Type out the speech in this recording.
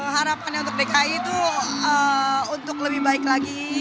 harapannya untuk dki itu untuk lebih baik lagi